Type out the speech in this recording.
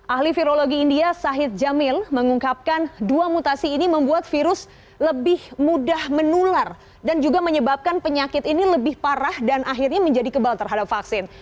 ahli virologi india sahid jamil mengungkapkan dua mutasi ini membuat virus lebih mudah menular dan juga menyebabkan penyakit ini lebih parah dan akhirnya menjadi kebal terhadap vaksin